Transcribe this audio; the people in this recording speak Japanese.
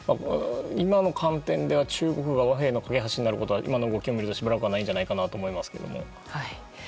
今の観点では中国が和平の懸け橋になることは今の動きを見るとしばらくはないんじゃないかなと思いますけど。